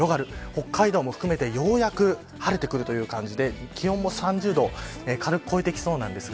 北海道も含めてようやく晴れてくるという感じで気温も３０度を軽く超えてきそうです。